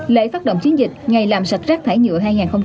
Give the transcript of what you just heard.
lễ phát động chiến dịch ngày làm sạch rác thải nhựa hai nghìn một mươi chín